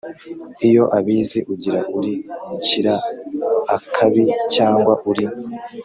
lyo abizi ugira uri « kira akabi» cyangwa uri